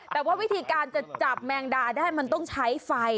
แต่ว่าวิธีการจะจับแมงดาได้มันต้องใช้ไฟ